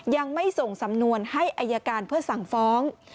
ยังไม่ส่งสำนวนให้อายการเพื่อสั่งฟ้อง